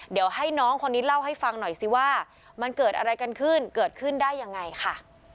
เดี๋ยวให้น้องคนนี้เล่าให้ฟังหน่อยสิว่ามันเกิดอะไรกันขึ้นเกิดขึ้นได้ยังไงค่ะ